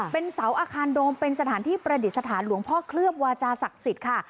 เป็นเสาอาคารโดมเป็นสถานที่ประดิษฐานหลวงพ่อเคลือบวาจาศักดิ์สิทธิ์ค่ะ